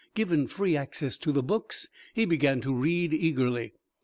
Given free access to the books, he began to read eagerly.